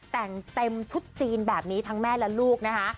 แต่งเต็มชุดจีนแบบนี้ทั้งแม่และลูกนะคะ